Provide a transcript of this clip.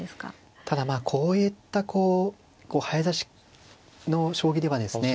ただまあこういったこう早指しの将棋ではですね。